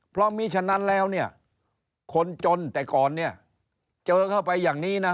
เพราะมีฉะนั้นแล้วเนี่ยคนจนแต่ก่อนเนี่ยเจอเข้าไปอย่างนี้นะ